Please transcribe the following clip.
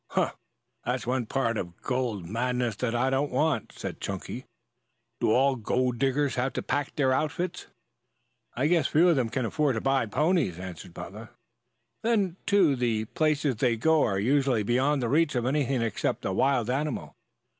"Huh! That's one part of the gold madness that I don't want," said Chunky. "Do all gold diggers have to pack their outfits?" "I guess few of them can afford to buy ponies," answered Butler. "Then, too, the places they go to are usually beyond the reach of anything except a wild animal.